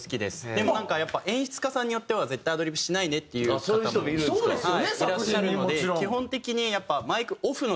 でもなんかやっぱ演出家さんによっては絶対アドリブしないでっていう方もいらっしゃるので基本的にやっぱ。